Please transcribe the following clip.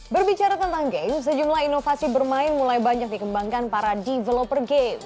berbicara tentang game sejumlah inovasi bermain mulai banyak dikembangkan para developer game